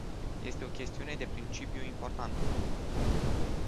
Este o chestiune de principiu importantă.